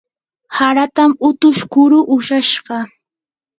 haratam utush kuru ushashqa.